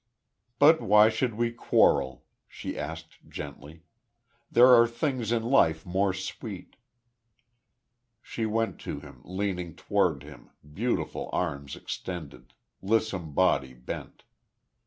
"But why should we quarrel?" she asked, gently. "There are things in life more sweet." She went to him, leaning toward him, beautiful arms extended, lissome body bent.